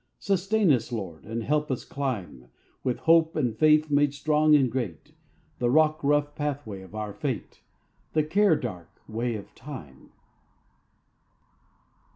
Sustain us, Lord! and help us climb, With hope and faith made strong and great, The rock rough pathway of our fate, The care dark way of time!